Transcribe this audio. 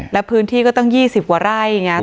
แล้วพื้นที่ก็ตั้ง๒๐กว่าไร่ไง